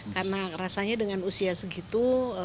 karena rasanya dengan usia segitu